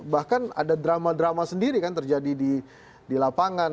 bahkan ada drama drama sendiri kan terjadi di lapangan